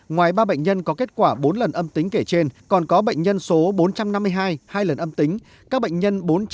ngoài ba bệnh nhân có kết quả bốn lần âm tính kể trên còn có bệnh nhân số bốn trăm năm mươi hai hai lần âm tính